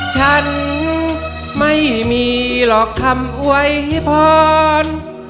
ฉันไม่มีหรอกคำไว้พร